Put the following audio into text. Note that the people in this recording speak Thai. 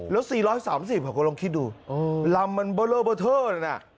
แล้ว๔๓๐บาทผมลองคิดดูลำมันเบลอเบอร์เทอร์นะ